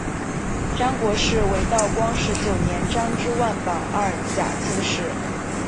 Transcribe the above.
张国士为道光十九年张之万榜二甲进士。